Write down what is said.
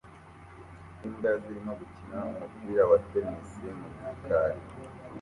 Imbwa zirimo gukina umupira wa tennis mu gikari